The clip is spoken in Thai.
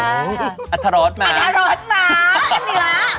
โหอัทธรสมากอัทธรสมากแม่นี่ละ